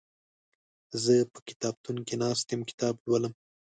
زه په کتابتون کې ناست يم کتاب لولم